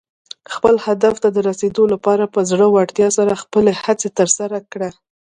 خپل هدف ته د رسېدو لپاره په زړۀ ورتیا سره خپلې هڅې ترسره کړه.